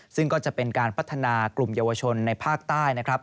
ซึ่งก็จะเป็นการพัฒนากลุ่มเยาวชนในภาคใต้นะครับ